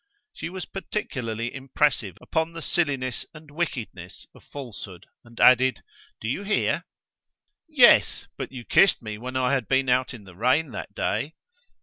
She was particularly impressive upon the silliness and wickedness of falsehood, and added: "Do you hear?" "Yes: but you kissed me when I had been out in the rain that day."